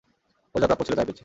ওর যা প্রাপ্য ছিল তাই পেয়েছে।